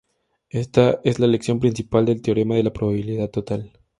Ésta es la lección principal del Teorema de la probabilidad total.